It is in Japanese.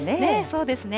そうですね。